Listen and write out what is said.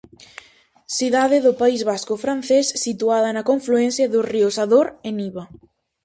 Cidade do País Vasco francés situada na confluencia dos ríos Ador e Niva.